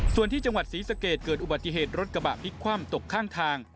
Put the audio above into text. ส่วนที่จังหวัดศรีสะเกดเกิดอุบัติเหตุรถกระบะพลิกคว่ำตกข้างทาง